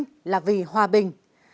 chiến tranh là vì hòa bình